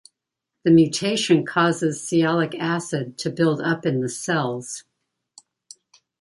The mutation causes sialic acid to build up in the cells.